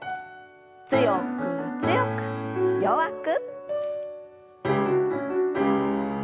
強く強く弱く。